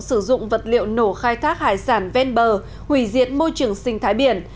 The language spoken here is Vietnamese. sử dụng vật liệu nổ khai thác hải sản ven bờ hủy diệt môi trường sinh thái biển